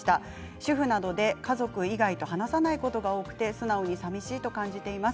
主婦なので家族以外と話さないことが多くて素直にさみしいと感じています。